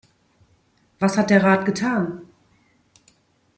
Was hat der Rat getan?